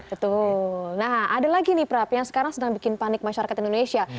betul nah ada lagi nih prap yang sekarang sedang bikin panik masyarakat indonesia